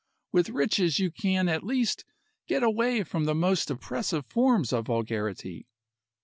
With riches you can at least get away from the most oppressive forms of vulgarity."